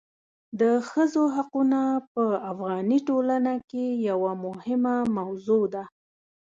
د ښځو حقونه په افغاني ټولنه کې یوه مهمه موضوع ده.